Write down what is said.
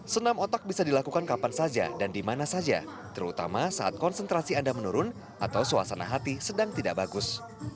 senam otak bisa dilakukan kapan saja dan dimana saja terutama saat konsentrasi anda menurun atau suasana hati sedang tidak bagus